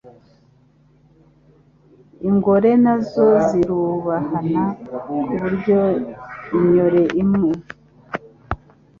Ingore na zo zirubahana ku buryo ignore imwe